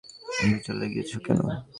দরজা লাগিয়েছ কেন?